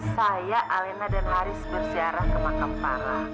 saya alena dan haris bersiarah ke makam para